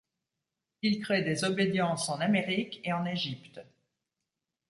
Il crée des obédiences en Amérique et en Egypte.